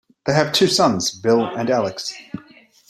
They have two sons, Bill and Alex.